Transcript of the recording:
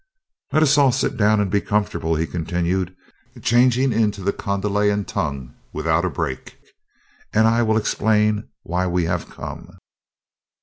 "Let us all sit down and be comfortable," he continued, changing into the Kondalian tongue without a break, "and I will explain why we have come.